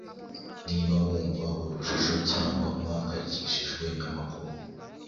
niba wumva urujijo cyangwa uhangayikihijwe namakuru,